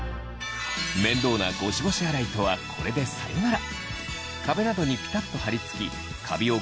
面倒なゴシゴシ洗いとはこれでサヨナラ！